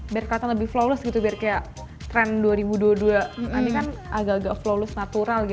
biar kelihatan lebih flawless trend dua ribu dua puluh dua agak agak flawless natural